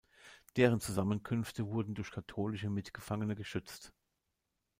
Deren Zusammenkünfte wurden durch katholische Mitgefangene geschützt.